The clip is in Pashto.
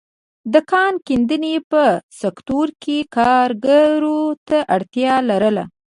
د کان کیندنې په سکتور کې کارګرو ته اړتیا لرله.